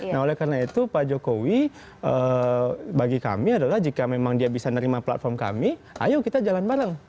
nah oleh karena itu pak jokowi bagi kami adalah jika memang dia bisa nerima platform kami ayo kita jalan bareng